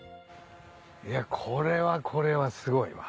いやこれはこれはすごいわ。